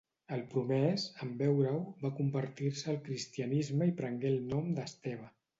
El promès, en veure-ho, va convertir-se al cristianisme i prengué el nom d'Esteve.